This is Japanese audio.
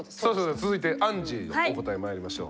続いてアンジーのお答えまいりましょう。